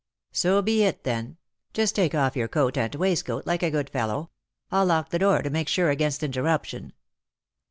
" So be it then. Just take off your coat and waistcoat, like a good fellow. I'll lock the door, to make sure against inter' ruption."